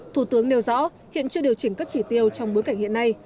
thủ tướng nêu rõ hiện chưa điều chỉnh các chỉ tiêu trong bối cảnh hiện nay